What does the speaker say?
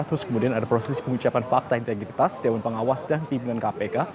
terus kemudian ada proses pengucapan fakta integritas dewan pengawas dan pimpinan kpk